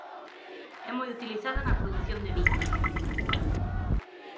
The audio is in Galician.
É moi utilizada na produción de viños.